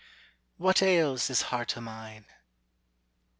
WHAT AILS THIS HEART O' MINE?